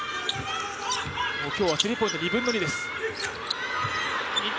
今日はスリーポイント２分の２です。